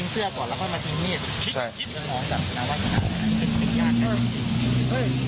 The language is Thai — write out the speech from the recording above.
จึงออกจากนาวัยศาสตร์เป็นอย่างนั้น